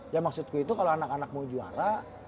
ya maksudku itu kalau anak anak mau juara